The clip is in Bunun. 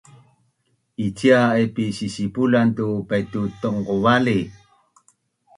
Icia naipi sisipulan tu paitu tongqovali?